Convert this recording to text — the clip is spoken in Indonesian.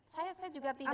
saya juga tidak mengerti